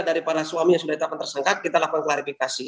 dari para suami yang sudah ditetapkan tersangka kita lakukan klarifikasi